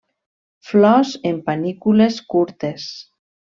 Flors en panícules curtes.